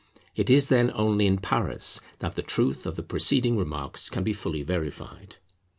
It is, then, only in Paris that the truth of the preceding remarks can be fully verified.